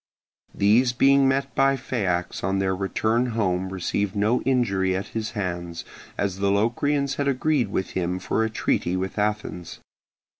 These being met by Phaeax on their return home received no injury at his hands, as the Locrians had agreed with him for a treaty with Athens.